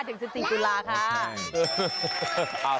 ถึง๑๔ตุลาค่ะ